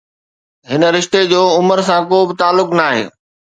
هن رشتي جو عمر سان ڪو به تعلق ناهي.